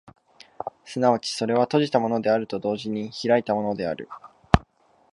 即ちそれは閉じたものであると同時に開いたものである。